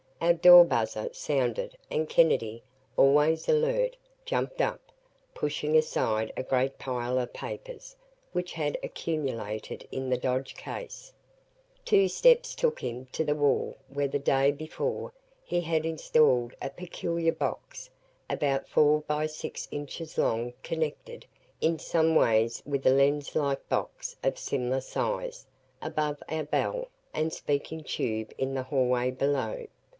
Our door buzzer sounded and Kennedy, always alert, jumped up, pushing aside a great pile of papers which had accumulated in the Dodge case. Two steps took him to the wall where the day before he had installed a peculiar box about four by six inches long connected in some way with a lens like box of similar size above our bell and speaking tube in the hallway below.